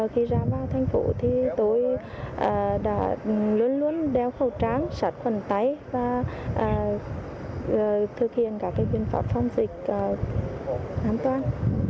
khi ra vào thành phố tôi luôn luôn đeo khẩu trang sạch phần tay và thực hiện các viên pháp phòng dịch an toàn